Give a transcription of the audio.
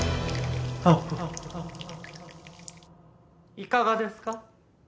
いかがですか？